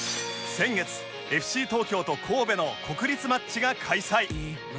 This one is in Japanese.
先月 ＦＣ 東京と神戸の国立マッチが開催